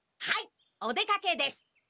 はいお出かけです。